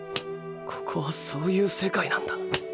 ここはそういう世界なんだ！